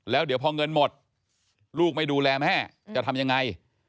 แล้วเดี๋ยวพอเงินหมดลูกไม่ดูแลแม่จะทำยังไง